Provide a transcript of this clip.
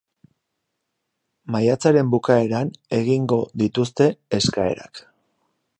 Maiatzaren bukaeran egingo dituzte eskaerak.